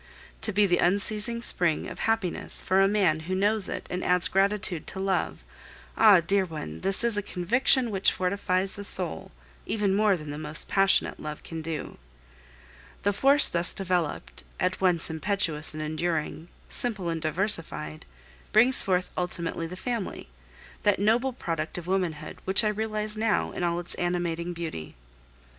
To be the unceasing spring of happiness for a man who knows it and adds gratitude to love, ah! dear one, this is a conviction which fortifies the soul, even more than the most passionate love can do. The force thus developed at once impetuous and enduring, simple and diversified brings forth ultimately the family, that noble product of womanhood, which I realize now in all its animating beauty.